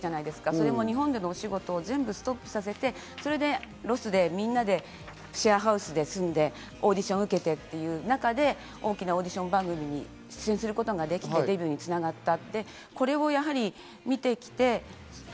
それも日本でのお仕事を全部ストップさせて、それでロスで、みんなでシェアハウスで住んでオーディションを受けて、そんな中で、大きなオーディション番組に出場することができてデビューに繋がった。